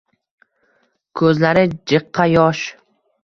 Koʻzlari jiqqa yosh